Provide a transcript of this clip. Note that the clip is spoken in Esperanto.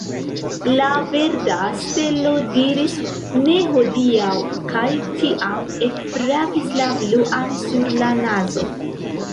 La verda stelo diris, ne hodiaŭ, kaj tiam ekfrapis la bluan sur la nazo.